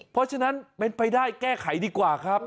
เพราะฉะนั้นเป็นไปได้แก้ไขดีกว่าครับ